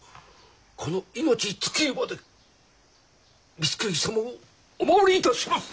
この命尽きるまで光圀様をお守りいたします！